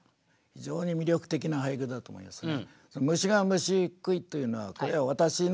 非常に魅力的な俳句だと思いますね。